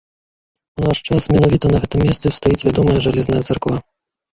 У наш час менавіта на гэтым месцы стаіць вядомая жалезная царква.